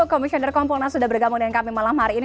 komisioner kompolnas sudah bergabung dengan kami malam hari ini